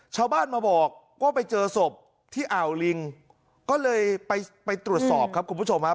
ชาวบ้านมาบอกก็ไปเจอศพที่อ่าวลิงก็เลยไปไปตรวจสอบครับคุณผู้ชมครับ